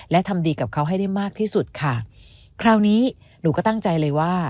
และทำดีกับเขาให้ได้มากที่สุดค่ะคราวนี้หนูก็ตั้งใจเลยว่า